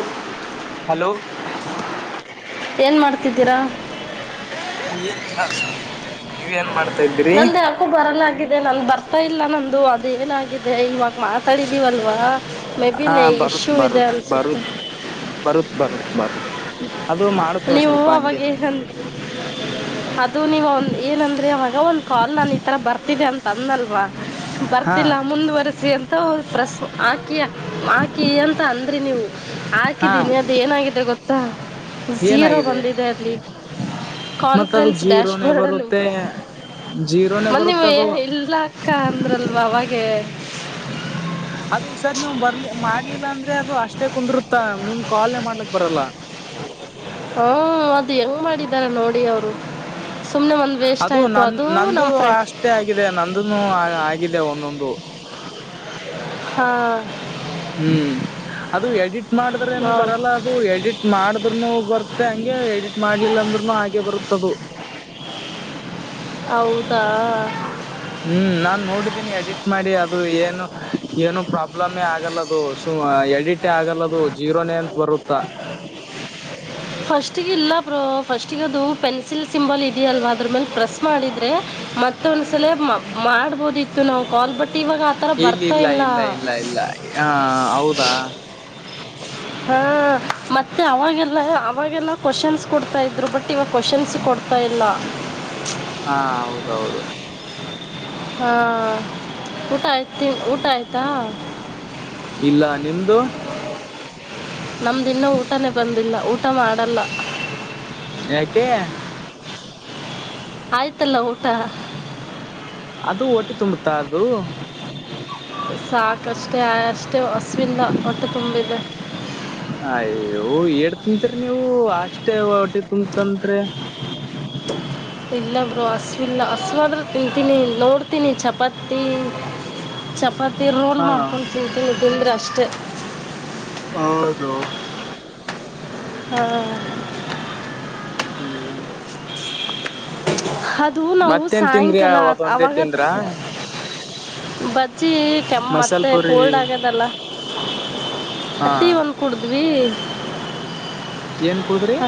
ಊಹ್ hello. ಏನ್ ಮಾಡ್ತಿದ್ದೀರಾ. ಏನ ಇಲ್ಲಾ ಸುಮ್ ಕೂತಿದ್ದೀ ನೀವು ಏನ್ ಮಾಡ್ಸ. ನಂದೆ ಅಕ್ಕು ಬರಲ್ಲಾ ಆಗಿರ್. ವೆ ನಮ್ ಬರ್ತಾ ಇಲ್ಲಾ ನಮ್ದು ಅದು ಏನಾಗಿದೆ ಇವಾಗ. ಮಾತಾಡಿದೀವಲ್ವಾ ಹ ಮೇಬಿನೇ ಬರುತ್ ಇಶ್ಯೂ ಇದೆ ಬರುತ್ ಅನ್ಸುತ್ತೆ. ಬರುತ್ ಬರುತ್ ಬರುತ್ ಬರುತ್ ಅದು ಮಾಡುತ್ತೇವ ನೀವು ಸ್ವಲ್ಪ ಅವಾಗ ಹಂಗೆ ಎ ಹನ್ ಅದು ನೀವು ಅವಂನ ಏನ ಅಂದ್ರೆ ಅವಾಗ ಒಂದ್ ಕ್ವಾಲ್ ನಲ್ ಈ ತರಾ ಬರ್ತಿದೆ ಅಂನ್ ತನ್ನಲ್ವಾ. ಹಾ ಬರ್ತಿಲ್ಲಾ ಮುಂದುವರೆಸಿ ಅಂತ್. ಫುಲ್ ಟ್ರಸ್ಮು. ಆಕಿಯಾ ಆಕಿ ಅಂತ ಅಂದ್ರಿ ನೀವು ಹಾ ಹಾಕಿದ್ದೀನಿ ಅದ ಏನಾಗಿದೆ ಗೊತ. ಪ್ಪಾ ಜೀರೋ ಏನಾಗಿದೆ ಬಂದಿದೆ ಅಲ್ಲಿ ಮತ್ತ ಅದು ಕಾನ್ಫ್ರನ್ಸ್ ಡ್ಯಾಶ್ ಜೀರೋನೇ ಬೋರ್ಡ್ಲ್ಲು ಬರುತ್ತೆ ಜೀರೋನೇ ಮನ್ನೀವು ಬರುತ್ತ ಎ ಅದು ಇಲ್ಲಾಕ್ಕಾ ಅಂದ್ರಲ್ವಾ. ಅಗೆ. ಅದು ಈ ಸರ್ ನೀವು ಬರ್ಲಿ ಮಾಡ್ಲಿಲ್ಲ ಅಂದ್ರೆ ಅದು ಅಷ್ಟೇ ಕುಂದರುತ್ತ ಮುಂದ ಕಾಲ್ನೆ ಮಾಡ್ಲಕ್ ಬರಲ್ಲಾ. ಹ್ಮ ಅದು ಹೆಂಗ್ ಮಾಡಿದ್ದಾರಾ ನೋಡಿ ಅವ್ರು. ಅದು ನನ್ ನಂದು ಫ್ರೆ ಅಷ್ಟೇ ಆಗಿದೆ ನಂದನೂ ಆಗಿದೆ ಒಂದೊಂದು. ಹಾ ಹ್ಮ್ ಅದು ಎಡಿಟ್ ಟ್ ಮಾಡಿದ್ರೆನೂ ಬರಲ್ಲ ಅದು ಎಡಿಟ್ ಮಾಡಿದ್ರುನು ಬರುತ್ತೆ ಹಂಗೆ ಎಡಿಟ್ ಮಾಡ್ಲಿಲ್ಲ ಅಂದ್ರುನು ಹಾಗೆ ಬರುತ್ತದು. ಹೌದಾ ಹ್ಮ್ ನಾನ್ ನೋಡಿದ್ದೀನಿ ಎಡಿಟ್ ಮಾಡಿ ಅದು ಏನು ಏನು ಪ್ರಾಬ್ಲಮೇ ಆಗಲ್ಲದು ಸು ಎಡಿಟೆ ಆಗಲ್ಲದು ಜೀರೋನೆ ಅಂತ ಬರುತ್ತಾ ಫಸ್ಟ್ಗಿಲ್ಲ. ಬ್ರೊ ಫಸ್ಟಗದು ಪೆನ್ಸಿಲ್ ಸಿಂಬಾಲ್ ಇದೆಯಲ್ವಾ ಅದ್ರ ಮೇಲೆ ಪ್ರೆಸ್ ಮಾಡಿದ್ರೆ ಮತ್ತೊಂದ್ಸಲ ಮ ಮಾಡ್ಬೋದಿತ್ತು ನಾವು ಕಾಲ್ ಬರ್ ಇಲ್ಲಿಲ್ಲ ಇಲ್ಲ ಇಲ್ಲ ಇಲ್ಲ ಇಲ್ಲ ಹಾ ಹೌದಾ. ಹಾ ಮತ್ತೆ ಅವಾಗೆಲ್ಲ ಅವಾಗೆಲ್ಲ ಕ್ವೊಶನ್ಸ್ ಕೊಡ್ತಾ ಇದ್ರು ಬಟ್ ಇವಾಗ ಕ್ವೊಶನ್ಸ್ ಕೊಡ್ತಾ ಇಲ್ಲ. ಹಾ ಹೌದೌದು. ಹಾ ಊಟ ಆಯ್ತಿನ್ ಊಟ ಆಯ್ತಾ? ಇಲ್ಲ ನಿಮ್ದು? ನಮ್ದಿನ್ನೂ ಊಟನೇ ಬಂದಿಲ್ಲ ಊಟ ಮಾಡಲ್ಲ. ಯಾಕೆ? ಆಯ್ತಲ್ಲ ಊಟ. ಅದು ಹೊಟ್ಟಿ ತುಂಬುತ್ತಾ ಅದು. ಸಾಕಷ್ಟೇ ಆ ಅಷ್ಟೇ ಅಸ್ವಿಲ್ಲ. ಹೊಟ್ಟೆ ತುಂಬಿದೆ. ಆಯೋ ಏಡ್ ತಿನ್ ತರ್ ನೀವು ಅಷ್ಟೇ ಹೊಡಿ ತಂತ್ರೆ ಇಲ್ಲ ಬ್ರೋ ಹಸ್ವಿಲ್ಲ ಹಸ್ವಾದ್ರೆ ತಿಂತೀನಿ ನೋಡ್ತೀನಿ ಚಪಾತಿ ಚ ಪಾತಿ ರೋಲ್ ಹಾ ಮಾಡ್ಕೊಂಡು ತಿಂತೀನಿ. ತಿಂದ್ರಷ್ಟೆ. ಹೌದು. ಹ ಹ್ಮ್ [inaudible] ಅದು ನಾವು ಮತ್ತೇನ್ ತಿಂದ್ರಿ ಸಾಯಂಕಾಲ ಅದೊಂದೇ ಆವಾಗ ತಿಂದ್ರ ಬ ಚ್ಚಿ ಕೆಮ್ಮ ಮಸಾಲ್ ಮತ್ತೆ ಪುರಿ ಕೋಲ್ಡ್ ಆಗ್ಯದಲ್ಲ. ಹ ಹಾ ಆ ಟೀ ಒಂದು ಕುಡ್ದ್ ಹು. ಏನ್ ಕುಡುದ್ರಿ.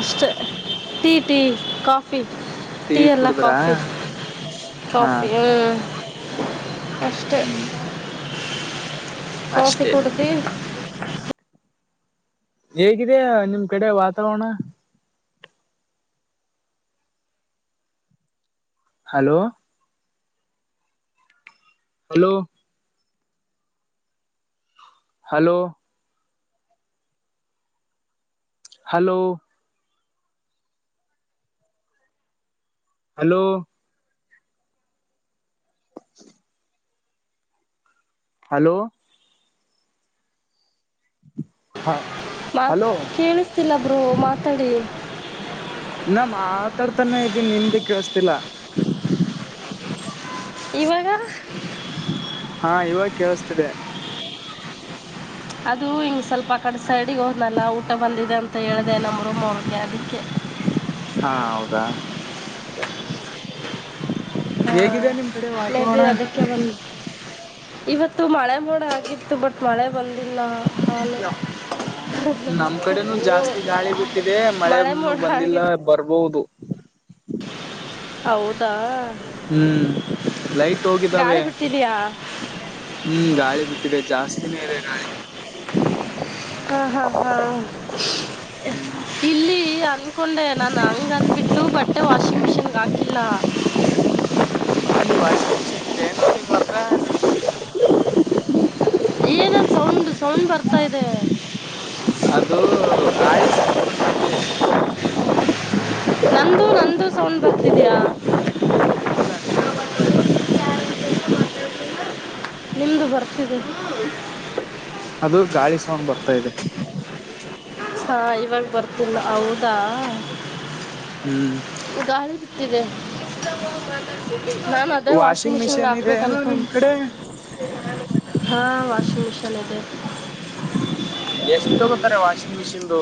Tea tea coffee. ಟೀ ಎಲ್ಲ ಕಾಫಿ ಹಾ ಕಾಫಿ ಹ್ಮ್. ಹ್ಮ್. ಕಾಫಿ ಅಷ್ಟೇ ಕುಡ್ದಿ. ಹೇಗಿದೆಯಾ ನಿಮ್ ಕಡೆ ವಾತಾವರಣ. Hello. Hello. Hello. Hello. Hello. Hello. ಹಾ. ಮಾತ್ ಕೇಳಿಸ್ತಿಲ್ಲ ಬ್ರೊ ಮಾತಾಡಿ. ನಾ ಮಾತಾಡ್ತಾನೆ ಇದೀನಿ ನಿಮ್ದೇ ಕೇಳಸ್ತಿಲ್ಲ. ಇವಾಗ. ಹಾ ಇವಾಗ ಕೇಳಿಸ್ತಿದೆ. ಅದು ಹಿಂಗ್ ಸ್ವಲ್ಪ ಆ ಕಡೆ ಸೈಡಿಗೆ ಹೋದ್ನಲ್ಲ ಊಟ ಬಂದಿದೆ ಅಂತ ಹೇಳಿದೆ ನಮ್ಮ ರೂಮ್ ಅವ್ರಿಗೆ ಅದಕ್ಕೆ. ಹಾ ಹೌದಾ. ಹೇಗಿದೆ ನಿಮ್ ಕಡೆ ಮೇ ವಾತಾವರಣ. ಬಿ ಅದಕ್ಕೆ ಬಂದು ಇವತ್ತು ಮಳೆ ಮೋಡ ಆಗಿತ್ತು ಬಟ್ ಮಳೆ ಬಂದಿಲ್ಲ ಹ. ನಮ್ ಕಡೆನೂ ಜಾಸ್ತಿ ಗಾಳಿ ಬಿಟ್ಟಿದೆ ಮಳೆ ಮಳೆನು ಮೋಡ ಬಂದಿಲ್ಲ ಆಗಿತ್ತು ಬರ್ಬಹುದು. ಹೌದಾ. ಹ್ಮ್ ಲೈಟ್ ಹೋಗಿದ್ದಾವೆ ಗಾಳಿ ಬಿಟ್ಟಿದ್ಯಾ ಹ್ಮ್ ಗಾಳಿ ಬಿಟ್ಟಿದೆ ಜಾಸ್ ತಿನೇ ಇದೆ ಗಾಳಿ. ಹ ಹಾ ಹಾ ಹ್ಮ್ ಇಲ್ಲಿ ಅನ್ಕೊಂಡೆ ನಾನ್ ಹಂಗಂದ್ಬಿಟ್ಟು ಬಟ್ಟೆ ವಾಷಿಂಗ್ ಮಿಷಿನ್ಗೆ ಹಾಕಿಲ್ಲ. ಹ್ಮ್ ಅಲ್ಲಿ ವಾಷಿಂಗ್ ಮಷೀನ್ ನಿದೆ ಏನು ನಿಮ್ಮ ಹತ್ರ. ಏನದು ಸೌಂಡ್ ಸೌಂಡ್ ಬರ್ತಾ ಇದೆ. ಅದು ಗಾಳಿ ಸೌಂಡ್ [unintelligible] ನಂದು ನಂದು ಸೌಂಡ್ ಬರ್ತಿದಯಾ ಇಲ್ಲ ನಿಮ್ದು ಬರ್ತಾ ಇಲ್ಲ ನಿಮ್ದು ಬರ್ತಿದೆ. ಅದು ಗಾಳಿ ಸೊಂಡ್ ಬರ್ತಾ ಇದೆ. ಹಾ ಇವಾಗ ಬರ್ತಿಲ್ಲ ಹೌದಾ. ಹ್ಮ್. ಇದೆ. ನಾಮ್ ಅದೇ ವಾಷಿಂಗ್ ಮಿಷನ್ ಮಿಷಿನ್ ಇದೆ ಏನೋ ನಿಮ್ ಹಾಕ್ಬೇಕನ್ಕೊಂಡ್ ಕಡೆ ಹಾ ವಾಷಿಂಗ್ ಮಷಿನ್ ಇದೆ. ಇಂದು.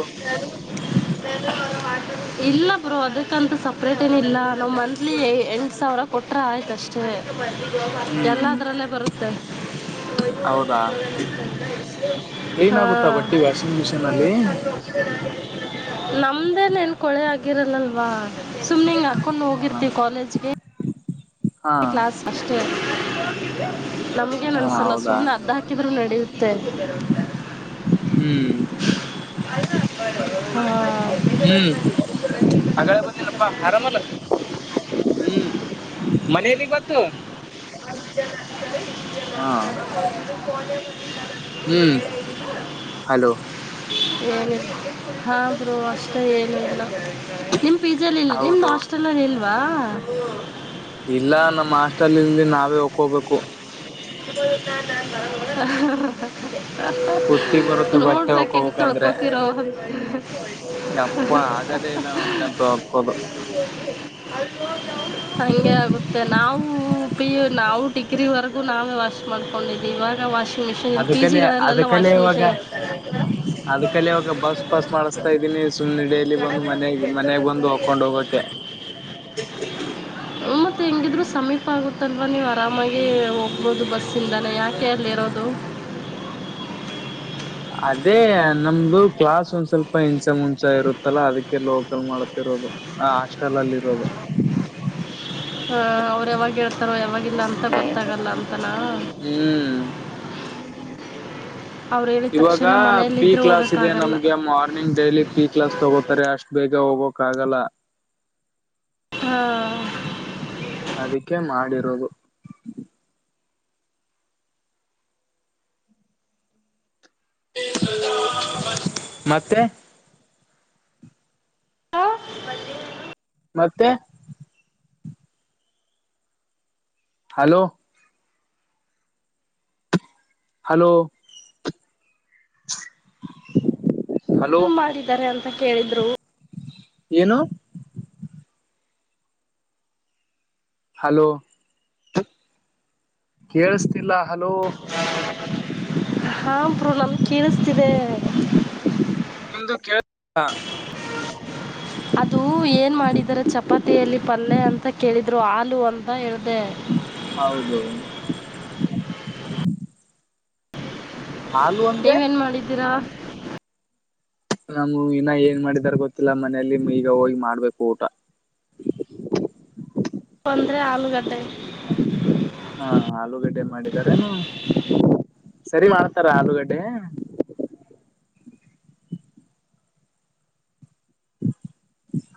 ಇಲ್ಲ ಬ್ರೋ ಅದಕ್ಕಂತೂ ಸಪ್ರೇಟ್ ಏನ ಇಲಾ ನಾವು ಮಂತ್ಲಿ ಎಂಟು ಸಾವಿರ ಕೊಟ್ರ ಆಯ್ತ ಅಷ್ಟೇ. ಹ್ಮ್ ಎಲ್ಲದ್ರಲ್ಲೇ ಬರುತ್ತೆ. ಹೌದಾ ಕ್ಲೀನ್ ಆಗುತ್ತಾ ಬಟ್ಟಿ ವಾಷಿಂಗ್ ಮಿಷಿನ್ ಅಲ್ಲಿ. ನಮ್ದೇನ್ ಏನ್ ಕೊಳೆ ಆಗ ಅಲ್ವಾ. ಸುಮ್ನೆಂಗ್ ಹಾಕೊಂಡು ಹಾ ಹೋಗಿತಿವಿ ಕಾಲೇಜ್ಗೆ. ಹಾ ಕ್ಲಾಸ್ ಅಷ್ಟೇ. [inaudible] ನಮ್ಗೇನ್ ಹಾ ಅನ್ಸಲ್ಲ ಹೌದಾ ಸುಮ್ಮನೆ ಅದ್ದ ಹಾಕಿದ್ರು ನಡೀ ಹ್ಮ್ ಹಾ. ಹ್ಮ್ ಆಗಳೆ [unintelligible] ಬಂದಿನಪ್ಪಾ ಆರಾಮಲ್ಲ [inaudible] ತ್ತು. [inaudible] ಹಾ ಹ್ಮ್ ಹಾಂ ಹಲೋ. ಹಾ ಬ್ರೊ ಅಷ್ಟೇ ಏನಿಲ್ಲ. ನಿಮ್ ಪಿ ಜೆಲಿ ಇ ನಿಮ್ದು ಹೌದು ಹಾಸ್ಟೆಲ್ ಅಲ್ಲಿ ಇಲ್ ವಾ ಹ್ಮ್ಮ್. ಇಲ್ಲ ನಮ್ಮ ಹಾಸ್ಟಲ್ ಇಲ್ಲಿ ನಾವೇ ಹಕ್ಕೋಗ್ಬೇಕು. ಕುತ್ತಿಗ್ ಬರುತ್ತೆ [unintelligible] [inaudible] ಬಟ್ಟೆ ನೋಡ್ಬೇಕೆಂಗ್ ಹೋಗ್ಕೋಬೇಕಂದ್ರೆ ತೊಳ್ಕೊತಿರೊ. [inaudible] [inaudible] ಯಪ್ಪ ಆಗದೇ ಇಲ್ಲ ನನ್ಗಂತೂ ಹಾಕೋದು ಹಂಗೆ ಆಗುತ್ತೆ ನಾವು. ಪಿ ಯು ನಾವು. ಡಿಗ್ರಿ ವರೆಗೂ ನಾವೇ ವಾಶ್ ಮಾಡ್ಕೊಂಡಿದ್ದೀವಿ ಇವಾಗ ವಾಶ್ ಅದ್ಕಲೆ ಅದ್ಕಲೆ ಇವಾಗ ಅದ್ ಕಲೆ ಇವಾಗ ಬಸ್ ಪಾಸ್ ಮಾಡಸ್ತಾ ಇದ್ದೀನಿ ಸುಮ್ನೆ ಡೈಲಿ ಬಂದು ಮನೆಗ್ ಮನಾಗ ಬಂದು ಹಕೊಂಡ್ ಹೋಗಕೆ. ಮತ್ತ್ ಹೆಂಗಿದ್ರು ಸಮೀಪ ಆಗುತ್ತಲ್ವಾ ನೀವ್. ಆರಾಮಾಗಿ ಹೋಗ್ಬೋದು ಬಸ್ಸಿಂದಾನೆ ಯಾಕೆ ಕೆ ಅಲ್ಲಿರೋದು ಹ್ಮ್ ಅದೇ ನಮ್ದು ಕ್ಲಾಸ್ ಒಂದ್ ಸ್ವಲ್ಪ ಇಂಚೆ ಮುಂಚೆ ಇರುತ್ತಲ್ಲ ಅದಕ್ಕೆ ಲೋಕಲ್ ಮಾಡ್ತಿರೋದು ಆ ಹಾಸ್ಟೆಲಲ್ಲಿರೋದು. ಹ ಅವ್ರ್ ಯಾವಾಗ ಹೇಳ್ತಾರೋ ಯಾವಾಗಿಲ್ಲ ಅಂತ ಗೊತ್ತಾಗಲ್ಲ ಅಂತಾನ. ಹ್ಮ್ ಇವಾಗ ಪಿ ಮನೆಯಲ್ಲಿದ್ದರೆ ಕ್ಲಾಸ್ ಇದೆ ಹೋಗೋಕ್ಕಾಗಲ್ಲ ನಮ್ಗೆ ಮಾರ್ನಿಂಗ್ ಡೈಲಿ ಪಿ ಕ್ಲಾಸ್ ತಗೋತಾರೆ ಅಷ್ಟು ಬೇಗ್ ಗ ಹೋಗಕಾಗಲ್ಲ. ಹಾ. ಅದಕ್ಕೆ ಮಾಡಿರೋದು. ಮತ್ತೆ ಹ ಮತ್ತೆ ಹಲೋ ಹಲೋ [inaudible] ನ್ ಮಾಡಿದ್ದಾರೆ ಅಂ ಅಂತ ಕೇಳಿದ್ರು. ಏನು? ಹಲೋ ಕೇಳಿಸ್ತಿಲ್ಲ ಹಲೋ. ಹಾ ಬ್ರೊ ನಮ್ಗೆ ಕೇಳಿಸ್ತಿದೆ. ನಿಮ್ದು ಕೇಳ ಅದು ಏನ್ ಮಾಡಿದಾರೆ ಚಪಾತಿಯಲ್ಲಿ ಪಲ್ಯ ಅಂತ ಕೇಳಿ ಇದ್ರು ಆಲೂ ಅಂತ ಹೇಳ್ದೆ. ಹೌದು. ಹಾಲು ಅಂದ್ರೆ ನೀವೇನ್ ಮಾಡಿದ್ದೀರಾ? ನಮು ಇನ್ನ ಏನ್ ಮಾಡಿದಾರ ಗೊತ್ತಿಲ್ಲ ಮನೇಲ್ಲಿ ಈಗ ಹೋಗಿ ಮಾಡ್ಬೇಕು ಊಟ. ಅಂದ್ರೆ ಆಲೂಗಡ್ಡೆ. ಹಾ ಆಲೂಗಡ್ಡೆ ಮಾಡಿದಾರೇನು ಸರಿ ಮಾಡ್ತಾರ ಆಲೂಗಡ್ಡೆ?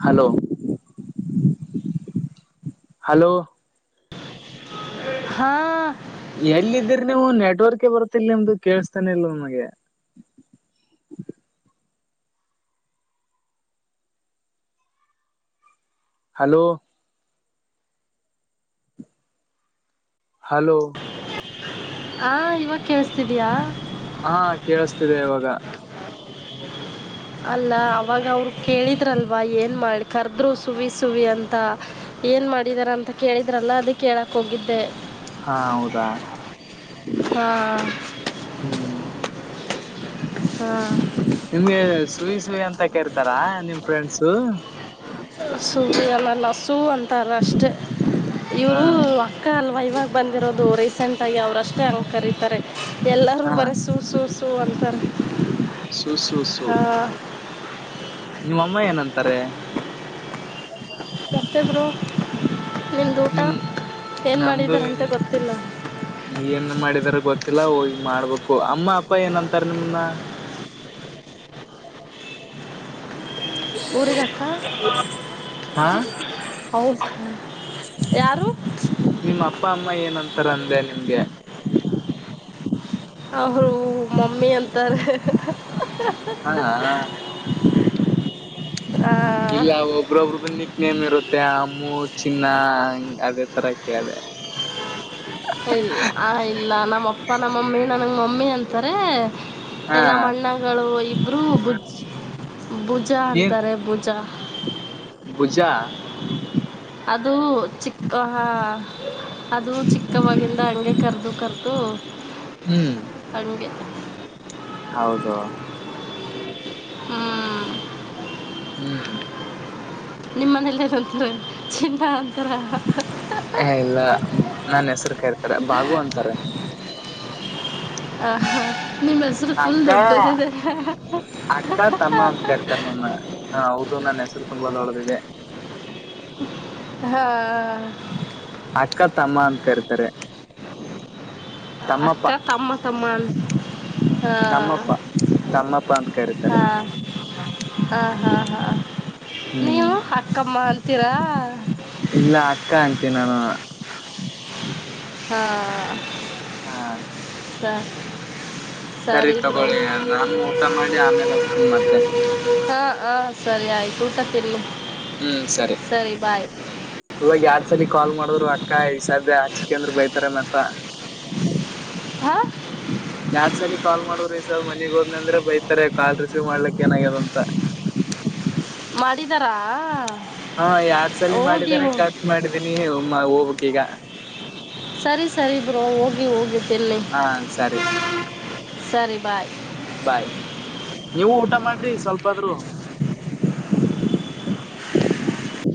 ಹಲೋ ಹಲೋ ಹಾ ಎಲ್ಲಿದ್ದಿರ್ ನೀವು ನೆಟ್ವರ್ಕೆ ಬರುತ್ತಿಲ್ ನಿಮ್ದು ಕೇಳಸ್ತಾನೆ ಇಲ್ಲ ನನಗೆ. ಹಲೋ ಹಲೋ ಹಾಂ ಇವಾಗ ಕೇಳಿಸ್ತಿದ್ಯಾ ಹಾ ಕೇಳಸ್ತಿದೆ ಇವಾಗ. ಅಲ್ಲ ಅವಾಗ ಅವ್ರು ಕೇಳಿದ್ರಲ್ವಾ ಏನ್ ಮಾಡ ಕರ್ದ್ರು ಸುವಿ ಸುವಿ ಅಂತ ಏನ್ ಮಾಡಿದಾರ ಅಂತ ಕೇಳಿದ್ರಲ್ಲ ಅದಿಕೇಳಕ್ ಹೋಗಿದ್ದೆ. ಹಾ ಹೌದಾ. ಹಾ ನಿಮಗೆ ಸುಯ್ ಸುಯ್ ಅಂತ ಕರ್ತಾರ ನಿಮ್ ಫ್ರೆಂಡ್ಸು. ಸೂವಿ ಅನ್ನಲಾ ಸು ಅಂತ ತಾರ್ ಅಷ್ಟೇ ಹ ಇವರು ಅಕ್ಕ ಅಲ್ವಾ ಇವಾಗ್ ಬಂದಿರೋದು ರೀಸೆಂಟಾಗಿ ಅವ್ರಷ್ಟೇ ಹಂಗ್ ಕರೀತಾರೆ. ಎಲ್ಲರೂ ಹಾ ಬರೆ ಸು ಸು ಸು ಅಂತ್ ತ್ತರೆ. ಸು ಸು ಸು ನಿಮ್ಮಮ್ಮ ಏನಂತಾರೆ? [unintelligible] ಬ್ರೊ ನಿಮ್ ನಮ್ದು ಮಾಡಿದಾರಂತ ಇನ್ ಗೊತ್ತಿಲ್ಲ ಏನ್ ಮಾಡಿದಾರ ಗೊತ್ತಿಲ್ಲ ಹೋಗಿ ಮಾಡ್ಬೇಕು. ಕ್ಕೋ ಅಮ್ಮ ಅಪ್ಪ ಏನಂತಾರ ನಿಮನ್ನ? ಊರಿಗೆ ಅಕ್ಕ ಹೌದ್ ಹ್ಮ್ ನಿಮ್ಮ ಅಪ್ಪ ಅಮ್ಮ ಏನಂತಾರಂದೆ ನಿಮ್ಗೆ? ಅವರು ಮಮ್ಮಿ ಅಂತಾರ. ಹಾ [unintelligible] ಇಲ್ಲ ಒಬ್ರೊಬ್ರುದು ನಿಕ್ ನೇಮ್ ಇರುತ್ತೆ ಅಮ್ಮು ಚಿನ್ನ ಹಂಗ್ ಅದು. ಕರೆಕ್ಟ್ರಿ ಅದೇ. ಇಲ್ಲ ಆ ಇಲ್ಲ ನಮ್ಮ ಅಪ್ಪ ನಮ್ಮಮ್ಮಿ ನಂಗ ಮಮ್ಮಿ ಅಂತಾರೆ ಹಾ ನಮ್ಮ ಅಣ್ಣಗಳು ಇಬ್ರು ಬುಜ್ ಭುಜ ಏನ್ ಅಂತಾರೆ ಭುಜ. ಹ [inaudible] ಅದು ಚಿಕ್ಕ ಹ ಅದು ಚಿಕ್ಕವಾಗಿಂದ ಹಂಗೆ ಕರ್ದು ಕರ್ದು ಹ್ಮ್ ಹಂಗೆ ಹೌದು. ಹ್ಮ್ ಹ್ಮ್ ನಿಮ್ಮ್ ಮನೇಲೇನಂತಾರೆ ಚಿನ್ನ ಅಂ ಏ ಇಲ್ಲ ನಾನ್ ಹೆಸರು ಕರಿತಾರೆ ಬಾಗು ಅಂತಾರೆ. ಆ ನಿಮ್ಮ ಹೆಸರು ಫುಲ್ ಅಕ್ಕ ದೊಡ್ಡದಿದೆ. ಅಕ್ಕ ತಮ್ಮ ಅಂತ ಕರಿತಾರೆ ನನ್ನ ಹ ಹೌದು ನನ್ನ ತುಂಬಾ ದೊಡ್ದಿದೆ. ಹಾ ಅಕ್ಕ ತಮ್ಮ ಅಂತ ಕರಿ. ತರೆ. ಅಕ್ಕ ತಮ್ಮ ತಮ್ಮ ಹಾ ತಮ್ಮಪ್ಪ ತಮ್ಮಪ್ಪ ಅಂತ ಹಾ. ಕರೀತಾರೆ ಆ ಹಾ ಹಾ ಹ್ಮ್ ನೀವು ಅಕ್ಕಮ್ಮ ಅಂತೀರಾ. ಹ ಹಾ ಹಾ ಸ ಸರಿ ತಗೊಳ್ಳಿ ನಾನು ಊಟ ಮಾಡಿ ಆಮೇಲೆ ಹಸ್ತೀನಿ ಮತ್ತೆ. ಹಾ ಸರಿ ಆಯ್ತು ಊಟ ತಿನ್ನಿ. ಹ್ಮ್ ಸರಿ ಇವಾಗ ಯಾಡ್ ಸಲಿ ಕಾಲ್ ಮಾಡಿದ್ರು ಅಕ್ಕ ಈ ಸಧ್ಯ ಆಚ್ಕೆಂದ್ರೆ ಬೈತಾರೆ ಮತ್ತ. ಹಾಂ ನಾಕ್ಸರಿ ಕಾಲ್ ಮಾಡುವ್ರೆ ತ್ತ ಮನಿಗ್ ಹೋದ್ನಂದ್ರೆ ಬೈತಾರೆ ಕಾಲ್ ರಿಸೀವ್ ಮಾಡ್ಲಿಕ್ ಏನಾಗ್ಯದಂತ. ಮಾಡಿದಾರಾ? ಹಾ ಎರಡ್ ಸಲಿ ಹೋಗಿ ಮಾಡಿದ್ದಾರೆ ಹೋಗಿ. ಕಟ್ ಮಾಡಿದೀನಿ ಹೋಗ್ಬೇಕ್ ಈಗ. ಸರಿ. ಸರಿ ಬ್ರೋ ಹೋಗಿ ಹೋಗಿ ಜಲ್ಲಿ ಹಾ ಸರಿ ಸರಿ. ಬಾಯ್ ಬಾಯ್ ನೀವು ಊಟ ಮಾಡ್ರಿ ಸ್ವಲ್ಪಾದ್ರು.